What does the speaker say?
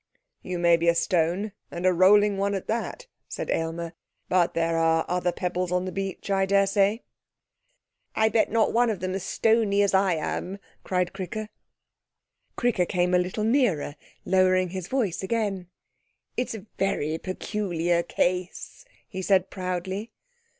'You may be a stone, and a rolling one at that, said Aylmer, 'but there are other pebbles on the beach, I daresay.' 'I bet not one of them as stony as I am!' cried Cricker. Cricker came a little nearer, lowering his voice again. 'It's a very peculiar case,' he said proudly.